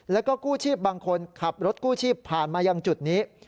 แล้วก็กู้ชีพบางคนขับรถกู้ชีพผ่านมายังจุดนี้